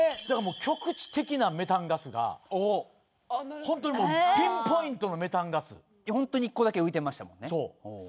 局地的なメタンガスがホントにもうピンポイントのメタンガスホントに１個だけ浮いてましたもんね